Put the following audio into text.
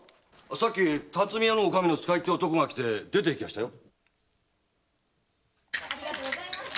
さっき巽屋の内儀の使いって男が来て出て行きやしたよ。